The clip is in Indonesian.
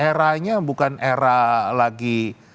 era nya bukan era lagi